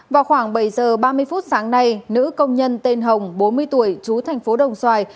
vào khoảng bảy h ba mươi phút sáng nay nữ công nhân tên hồng bốn mươi tuổi chú tp đồng xoài